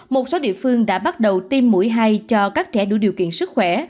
một số địa phương đã bắt đầu tiêm mũi hai cho các trẻ đủ điều kiện sức khỏe